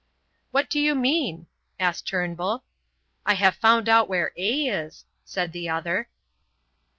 "What do you mean?" asked Turnbull. "I have found out where A is," said the other.